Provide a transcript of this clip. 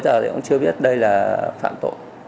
lúc cuối giờ thì em cũng chưa biết đây là phạm tội